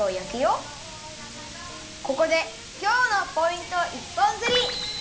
ここで今日のポイント一本釣り！